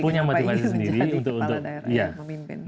punya madungan sendiri untuk memimpin